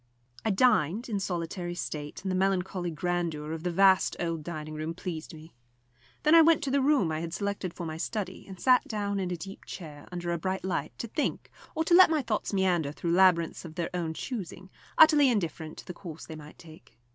I dined in solitary state, and the melancholy grandeur of the vast old dining room pleased me. Then I went to the room I had selected for my study, and sat down in a deep chair, under a bright light, to think, or to let my thoughts meander through labyrinths of their own choosing, utterly indifferent to the course they might take.